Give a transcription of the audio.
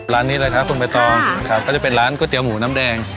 ร้านนี้เลยครับคุณใบตองครับก็จะเป็นร้านก๋วเตี๋หมูน้ำแดง